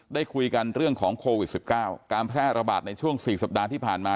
ได้คุยกันเรื่องของโควิด๑๙การแพร่ระบาดในช่วง๔สัปดาห์ที่ผ่านมา